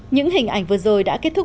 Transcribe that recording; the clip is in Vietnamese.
những hình ảnh vừa rồi đã kết thúc